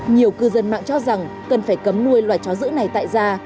nhiều cư dân mạng cho rằng cần phải cấm nuôi loại chó dữ này tại ra